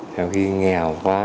nếu khi nghèo quá